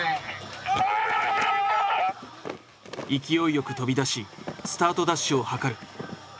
勢いよく飛び出しスタートダッシュを図る。